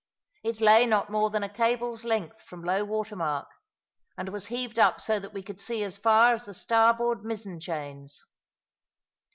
It lay not more than a cable's length from low water mark, and was heaved up so that we could see as far as the starboard mizzen chains.